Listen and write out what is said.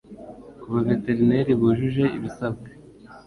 Ku baveterineri bujuje ibisabwa